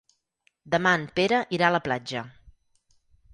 Demà en Pere irà a la platja.